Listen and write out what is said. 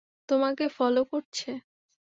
তোমাকে ফলো করছে?